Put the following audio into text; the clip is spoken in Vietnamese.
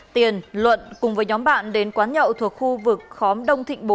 tiền luận cùng với nhóm bạn đến quán nhậu thuộc khu vực khóm đông thịnh bốn